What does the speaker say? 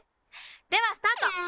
ではスタート！